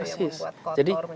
ketiga yang membuat kotor